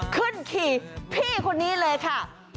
ขึ้นขี่พี่คนนี้เลยค่ะ